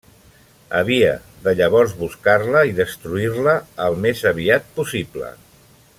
Havia de llavors buscar-la i destruir-la al més aviat possible.